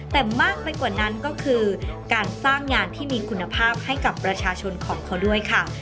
แต่มากไปกว่านั้นก็คือการสร้างงานที่มีคุณภาพให้กับประชาชนของเขาด้วยค่ะ